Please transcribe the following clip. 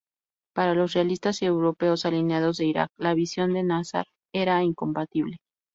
Para los realistas y europeos alineados de Irak, la visión de Nasser era incompatible.